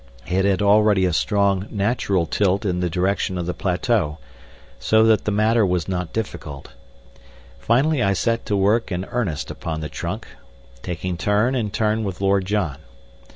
It had already a strong, natural tilt in the direction of the plateau, so that the matter was not difficult. Finally I set to work in earnest upon the trunk, taking turn and turn with Lord John.